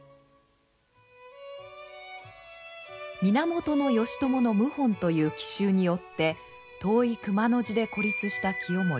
源義朝の謀反という奇襲によって遠い熊野路で孤立した清盛。